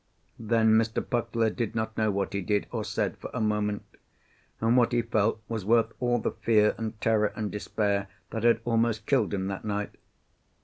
Then Mr. Puckler did not know what he did or said for a moment, and what he felt was worth all the fear and terror and despair that had almost killed him that night.